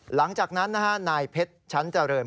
หลังจากนั้นนะฮะนายเพชรชั้นเจริญ